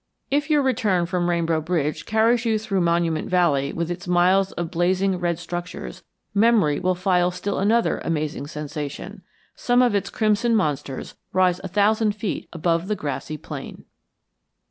'" If your return from Rainbow Bridge carries you through Monument Valley with its miles of blazing red structures, memory will file still another amazing sensation. Some of its crimson monsters rise a thousand feet above the grassy plain.